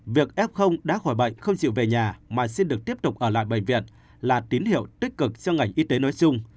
việc f đã khỏi bệnh không chịu về nhà mà xin được tiếp tục ở lại bệnh viện là tín hiệu tích cực cho ngành y tế nói chung